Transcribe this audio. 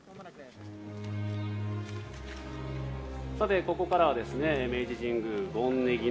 さて、ここからは明治神宮権禰宜の